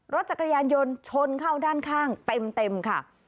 รถจักรยานยนต์ชนเข้าด้านข้างเต็มค่ะ